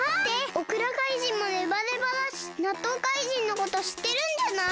オクラかいじんもネバネバだしなっとうかいじんのことしってるんじゃない？